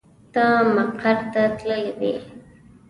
ته مقر تللی وې.